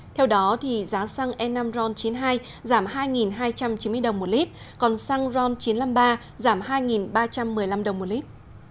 theo đó giá xăng e năm ron chín mươi hai giảm hai hai trăm chín mươi đồng một lít còn xăng ron chín trăm năm mươi ba giảm hai ba trăm một mươi năm đồng một lít